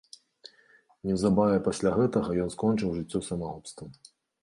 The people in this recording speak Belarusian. Неўзабаве пасля гэтага ён скончыў жыццё самагубствам.